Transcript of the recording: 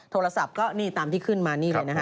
โทรศัพท์ก็นี่ตามที่ขึ้นมานี่เลยนะฮะ